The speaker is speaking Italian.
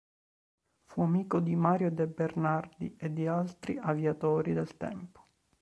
Fu amico di Mario de Bernardi e di altri aviatori del tempo.